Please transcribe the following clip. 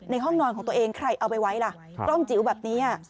ห้องนอนของตัวเองใครเอาไปไว้ล่ะกล้องจิ๋วแบบนี้